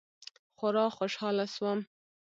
خورا خوشاله سوم.